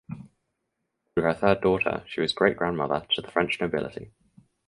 Through her third daughter she was great grandmother to the French nobility.